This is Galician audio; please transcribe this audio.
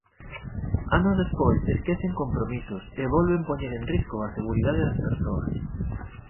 Anos despois, esquecen compromisos e volven poñer en risco a seguridade das persoas.